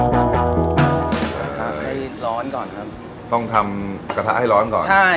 กระทะกระทะให้ร้อนก่อนครับต้องทำกระทะให้ร้อนก่อนใช่